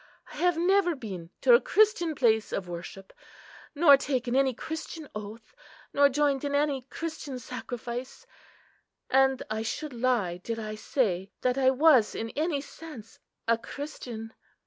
I have never been to a Christian place of worship, nor taken any Christian oath, nor joined in any Christian sacrifice. And I should lie did I say that I was in any sense a Christian."